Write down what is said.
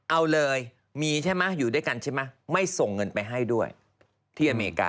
เอาเลยมีใช่ไหมอยู่ด้วยกันใช่ไหมไม่ส่งเงินไปให้ด้วยที่อเมริกา